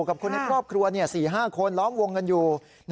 กับคนในครอบครัว๔๕คนล้อมวงกันอยู่